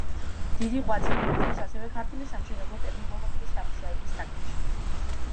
დიდი ღვაწლი მიუძღვის ასევე ქართული სამშენებლო ტერმინოლოგიის დამუშავების საქმეში.